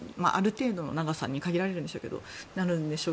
ある程度の長さに限られるんでしょうけど。